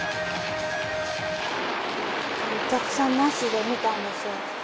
お客さんなしで見たんですよ。